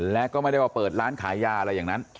และก็ไม่ได้ว่าเปิดร้านขายยาอะไรอย่างนั้น